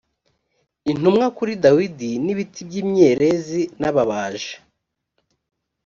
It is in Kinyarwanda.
intumwa kuri dawidi n ibiti by imyerezi n ababaji